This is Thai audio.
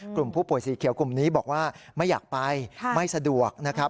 กลุ่มผู้ป่วยสีเขียวกลุ่มนี้บอกว่าไม่อยากไปไม่สะดวกนะครับ